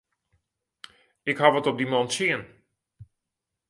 Ik haw wat op dy man tsjin.